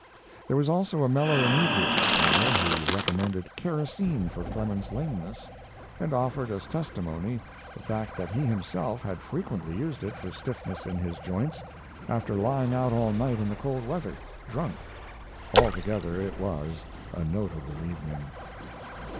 There was also a mellow inebriate there who recommended kerosene for Clemens's lameness, and offered as testimony the fact that he himself had frequently used it for stiffness in his joints after lying out all night in cold weather, drunk: altogether it was a notable evening.